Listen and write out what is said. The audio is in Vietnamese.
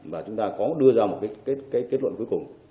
và chúng ta có đưa ra một cái kết luận cuối cùng